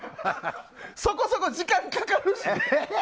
そこそこ時間かかるし。